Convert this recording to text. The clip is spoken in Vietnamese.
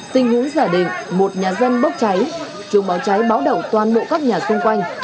sinh hướng giả định một nhà dân bốc cháy chủng báo cháy báo đậu toàn bộ các nhà xung quanh